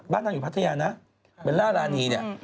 นางอยู่พัทยานะเบลล่ารานีเนี่ย